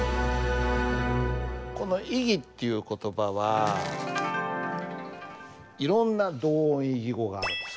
この「異義」っていう言葉はいろんな同音異義語があるんです。